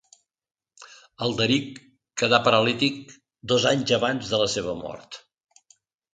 Alderic quedà paralític dos anys abans de la seva mort.